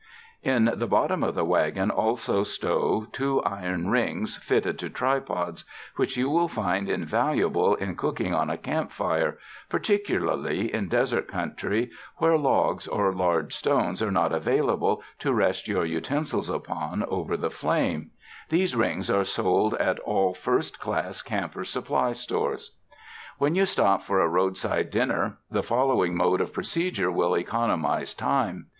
In the bottom of the wagon also stow two iron rings fitted to tripods, which you will find invaluable in cooking on a camp fire, particularly in desert country where logs or large stones are not available to rest your utensils upon over the flame. These 136 < SPRING DAYS IN A CARRIAGE rings are sold at all first class campers' supply stores. When you stop for a roadside dinner, the follow ing mode of procedure will economize time.